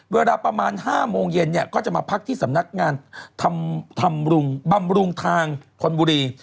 เวลาประมาณ๕โมงเย็นเนี่ยก็จะมาพักที่สำนักงานทำบำรุงทางธนบุรี